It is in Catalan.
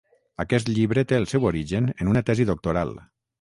Aquest llibre té el seu origen en una tesi doctoral.